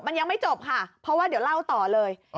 มันยังไม่จบค่ะเพราะว่าเดี๋ยวเล่าต่อเลย